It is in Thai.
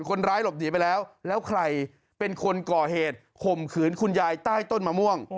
คนร้ายหลบหนีไปแล้วแล้วใครเป็นคนก่อเหตุข่มขืนคุณยายใต้ต้นมะม่วง